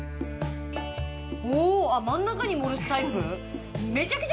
おおっ真ん中に盛るタイプ？